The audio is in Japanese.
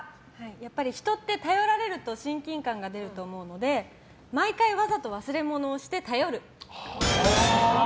やっぱり、人って頼られると親近感が出ると思うので毎回わざと忘れ物をして頼る。